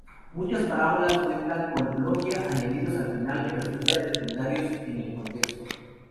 Muchas parábolas cuentan con "logia" añadidos al final que resultan secundarios en el contexto.